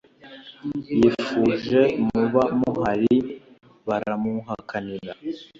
yifuje muba muhari baramuhakanira